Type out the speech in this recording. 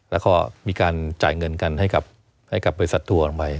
แล้วก็มีการจ่ายเงินกันให้กับบริษัททัวร์ลงไป